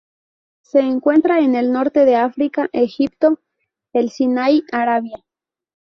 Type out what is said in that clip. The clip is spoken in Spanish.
Se encuentra en el Norte de África, Egipto, el Sinaí, Arabia.